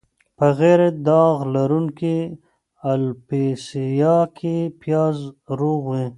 په غیر داغ لرونکې الوپیسیا کې پیاز روغ وي.